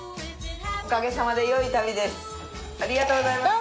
おかげさまで良い旅です。